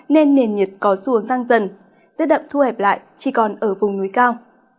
nên nền nhiệt có xuống tăng dần rết đậm thu hẹp lại chỉ còn ở vùng núi cao